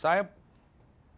saya terus terang